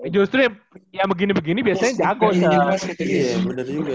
justru ya yang begini begini biasanya jago